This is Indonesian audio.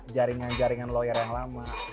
jaringan jaringan lawyer yang lama